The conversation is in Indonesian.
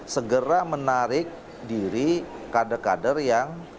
segera menarik diri kader kader yang